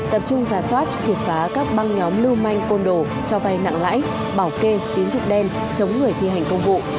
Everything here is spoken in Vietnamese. tập trung giả soát triệt phá các băng nhóm lưu manh côn đồ cho vay nặng lãi bảo kê tín dụng đen chống người thi hành công vụ